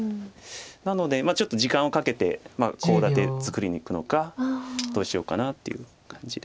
なのでちょっと時間をかけてコウ立て作りにいくのかどうしようかなっていう感じで。